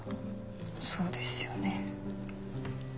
そうですよね